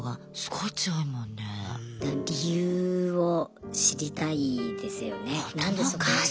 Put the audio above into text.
だから理由を知りたいですよね。